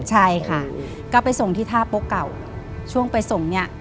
ใช่ค่ะก็ไปส่งที่ท่าโป๊ะเก่าช่วงไปส่งเนี่ย